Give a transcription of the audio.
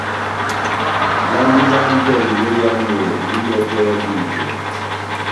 Lambi lá Antoni lóyamu lohibɛwɛ pɛhɛ bwíto.